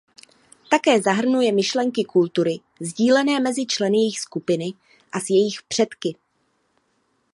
Také zahrnuje myšlenky kultury sdílené mezi členy jejich skupiny a s jejich předky.